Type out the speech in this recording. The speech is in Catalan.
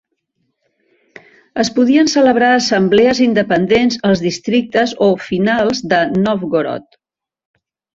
Es podien celebrar assemblees independents als districtes o "finals" de Nòvgorod.